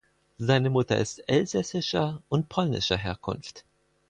Seine Mutter ist elsässischer und polnischer Herkunft.